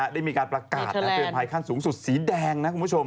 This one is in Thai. ได้มีการประกาศเกิดภัยขั้นสูงสุดสีแดง